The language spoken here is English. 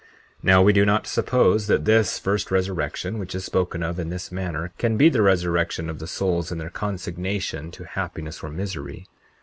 40:17 Now, we do not suppose that this first resurrection, which is spoken of in this manner, can be the resurrection of the souls and their consignation to happiness or misery.